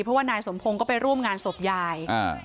เพราะว่านายสมพงศ์ก็ไปร่วมงานศพยายอ่า